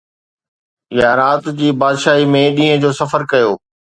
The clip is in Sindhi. يا رات جي بادشاهي ۾ ڏينهن جو سفر ڪيو؟